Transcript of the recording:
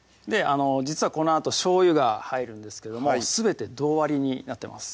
実はこのあとしょうゆが入るんですけどもすべて同割りになってます